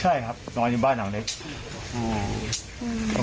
ใช่ครับนอนอยู่บ้านหลังเล็ก